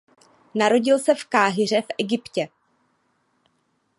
Narodil se v Káhiře v Egyptě.